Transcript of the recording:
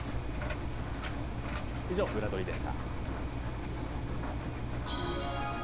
以上、ウラどりでした。